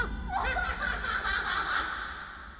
ハハハハ。